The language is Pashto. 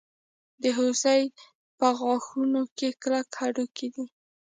د هوسۍ په غاښونو کې کلک هډوکی دی.